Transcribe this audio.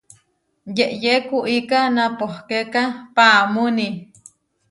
Yeʼyé kuiká napohkéka paʼámuuní.